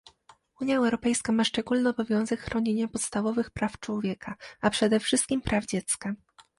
Unia Europejska ma szczególny obowiązek chronienia podstawowych praw człowieka, a przede wszystkim praw dziecka